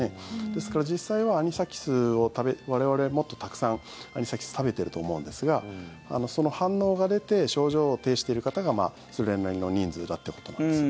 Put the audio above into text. ですから、実際はアニサキスを我々はもっとたくさんアニサキスを食べてると思うんですがその反応が出て症状を呈している方がそれなりの人数だってことなんです。